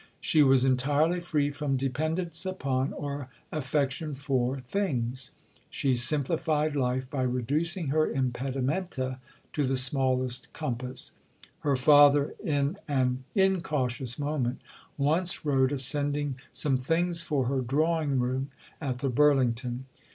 She was entirely free from dependence upon, or affection for, "things." She simplified life by reducing her impedimenta to the smallest compass. Her father in an incautious moment, once wrote of sending some things for her "drawing room" at the Burlington.